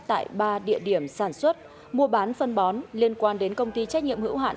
tại ba địa điểm sản xuất mua bán phân bón liên quan đến công ty trách nhiệm hữu hạn